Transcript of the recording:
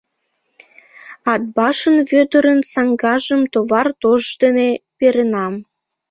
Атбашын Вӧдырын саҥгажым товар тош дене перенам.